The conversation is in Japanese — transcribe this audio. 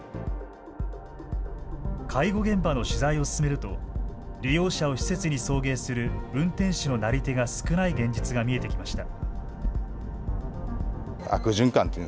介護現場の取材を進めると利用者を施設に送迎する運転手のなり手が少ない現実が見えてきました。